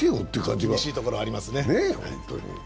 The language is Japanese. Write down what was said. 厳しいところはありますね。